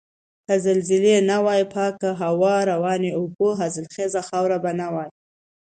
که زلزلې نه وای پاکه هوا، روانې اوبه، حاصلخیزه خاوره به نه وای.